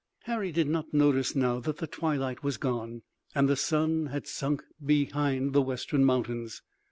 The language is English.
Harry did not notice now that the twilight was gone and the sun had sunk behind the western mountains.